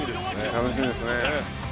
「楽しみですね」